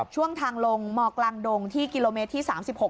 ช่วงทางลงมกลางดงที่กิโลเมตรที่๓๖